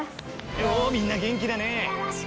おみんな元気だね。